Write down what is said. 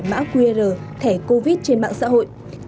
mã qr thẻ covid trên mạng xã hội